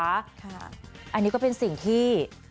อันนี้ก็เป็นสิ่งที่